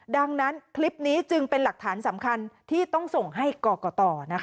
ดังนั้นคลิปนี้จึงเป็นหลักฐานสำคัญที่ต้องส่งให้กรกต